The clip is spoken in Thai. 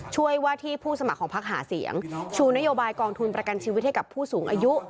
ว่าที่ผู้สมัครของพักหาเสียงชูนโยบายกองทุนประกันชีวิตให้กับผู้สูงอายุ